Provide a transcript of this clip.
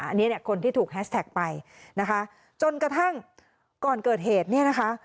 อันนี้เนี่ยคนที่ถูกแฮสแท็กไปนะคะจนกระทั่งก่อนเกิดเหตุเนี่ยนะคะ